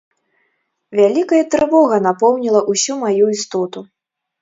Вялікая трывога напоўніла ўсю маю істоту.